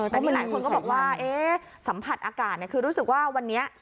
แต่มีหลายคนก็บอกว่าสัมผัสอากาศคือรู้สึกว่าวันนี้